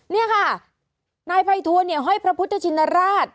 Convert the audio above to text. นี่ค่ะนายภัยทูลเนี่ยห้อยพระพุทธชินราช